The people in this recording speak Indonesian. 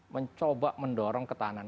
mencoba mendorong ketahanan